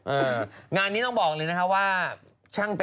โอลี่คัมรี่ยากที่ใครจะตามทันโอลี่คัมรี่ยากที่ใครจะตามทัน